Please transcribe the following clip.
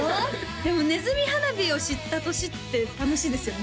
でもねずみ花火を知った年って楽しいですよね